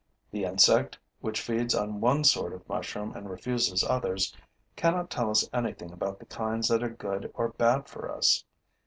The insect, which feeds on one sort of mushroom and refuses others, cannot tell us anything about the kinds that are good or bad for us.